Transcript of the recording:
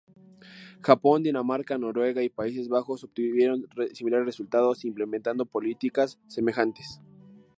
Japón, Dinamarca, Noruega y Países Bajos obtuvieron similares resultados implementando políticas semejantes.